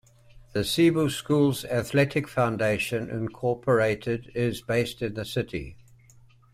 The Cebu Schools Athletic Foundation, Incorporated is based in the city.